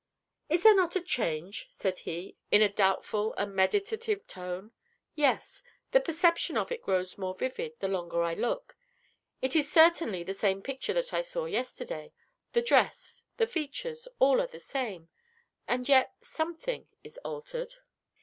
"Is there not a change?" said he, in a doubtful and meditative tone. "Yes; the perception of it grows more vivid, the longer I look. It is certainly the same picture that I saw yesterday; the dress the features all are the same; and yet something is altered."